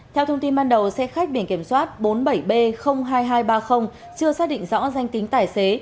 theo thông tin ban đầu xe khách biển kiểm soát bốn mươi bảy b hai nghìn hai trăm ba mươi chưa xác định rõ danh tính tài xế